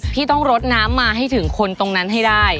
พี่ต้องรดน้ำมาให้ถึงคนตรงนั้นให้ได้